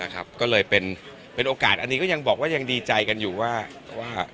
ก็เลยเป็นโอกาสอันนี้ก็ยังบอกว่ายังดีใจกันอยู่ว่า